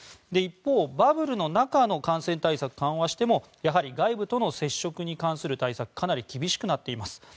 一方、バブルの中の感染対策を緩和してもやはり外部との接触に関する対策はかなり厳しくなっています。